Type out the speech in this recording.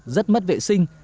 rất mất vệ sinh